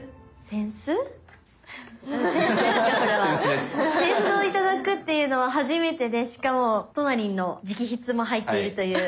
扇子を頂くというのは初めてでしかもトナリンの直筆も入っているという。